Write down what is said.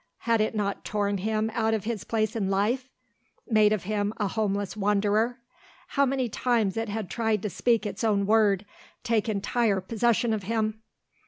Had it not torn him out of his place in life, made of him a homeless wanderer? How many times it had tried to speak its own word, take entire possession of him.